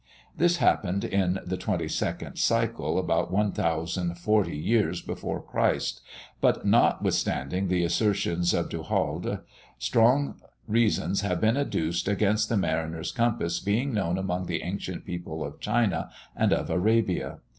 This happened in the twenty second cycle, about 1040 years before Christ; but, notwithstanding the assertions of Du Halde, strong reasons have been adduced against the mariner's compass being known among the ancient people of China and of Arabia.